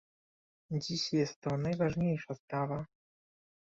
Dziś jest to najważniejsza sprawa